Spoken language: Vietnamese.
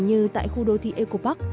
như tại khu đô thi ecopark